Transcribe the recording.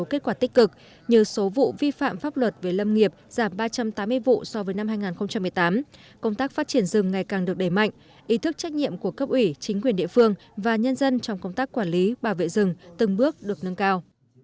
kết quả tích cực như số vụ vi phạm pháp luật về lâm nghiệp giảm ba trăm tám mươi vụ so với năm hai nghìn một mươi tám công tác phát triển rừng ngày càng được đẩy mạnh ý thức trách nhiệm của cấp ủy chính quyền địa phương và nhân dân trong công tác quản lý bảo vệ rừng từng bước được nâng cao